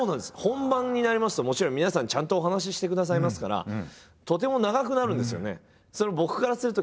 本番になりますともちろん皆さんちゃんとお話ししてくださいますからとても長くなるんですよね。